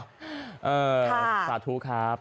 ค่ะข้าทุครับ